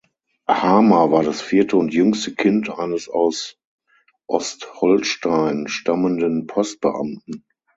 Hamer war das vierte und jüngste Kind eines aus Ostholstein stammenden Postbeamten.